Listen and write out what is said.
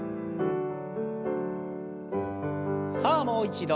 さあもう一度。